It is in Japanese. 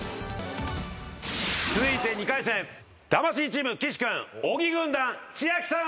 続いて２回戦魂チーム岸君小木軍団千秋さん